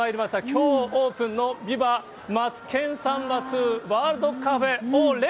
きょうオープンのビバマツケンサンバＩＩワールドカフェからオレ！